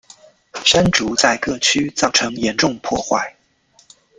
山竹在各区造成严重破坏。